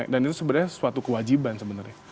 dan itu sebenarnya suatu kewajiban sebenarnya